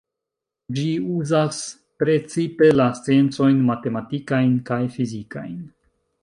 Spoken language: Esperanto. Ĝi uzas precipe la sciencojn matematikajn kaj fizikajn.